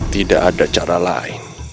tidak ada cara lain